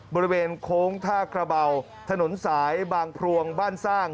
บริเวณโค้งท่ากระเบาถนนสายบางพลวงบ้านสร้าง